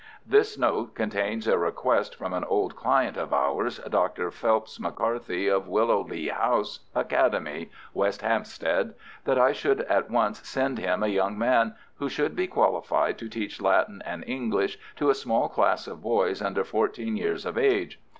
"This note contains a request from an old client of ours, Dr. Phelps McCarthy, of Willow Lea House Academy, West Hampstead, that I should at once send him a young man who should be qualified to teach Latin and English to a small class of boys under fourteen years of age.